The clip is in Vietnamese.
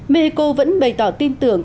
mexico vẫn bày tỏ tin tưởng